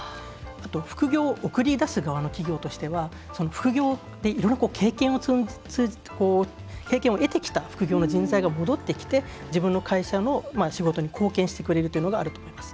あと、副業を送り出す側の企業としては副業でいろんな経験を得てきた副業の人材が戻ってきて自分の会社の仕事に貢献してくれるというのがあると思います。